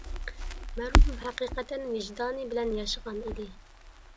مەرھۇم ھەقىقەتەن ۋىجدانى بىلەن ياشىغان ئىدى.